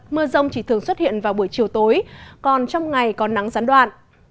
mưa rông chỉ thường xuất hiện vào buổi chiều tối còn trong ngày có nắng gián đoạn